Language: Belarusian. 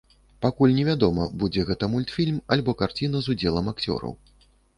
Пакуль невядома, будзе гэта мультфільм альбо карціна з удзелам акцёраў.